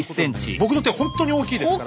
僕の手ほんとに大きいですから。